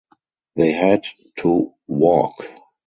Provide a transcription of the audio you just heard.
They had to walk.